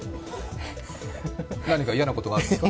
何か嫌なことがあったんですか？